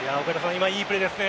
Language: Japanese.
今、いいプレーですね。